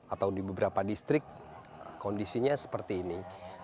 atau di beberapa distrik kondisinya seperti ini